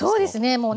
もうね